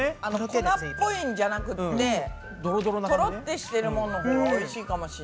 粉っぽいんじゃなくってとろってしてるもののほうがおいしいかもしれない。